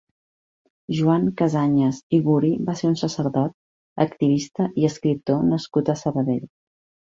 Joan Casañas i Guri va ser un sacerdot, activista i escriptor nascut a Sabadell.